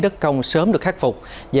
đất công sớm được khắc phục